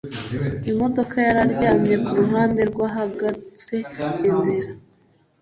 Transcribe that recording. Imodoka yari aryamye kuruhande rwahagaritse inzira